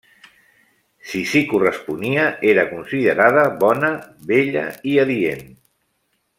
Si s'hi corresponia, era considerada bona, bella i adient.